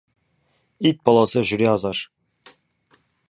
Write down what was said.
Ит баласы жүре азар.